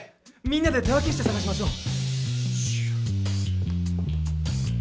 みんなで手分けして探しましょう。